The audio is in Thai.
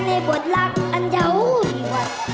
แต่บทรักอันยาวอุ้ยหวาน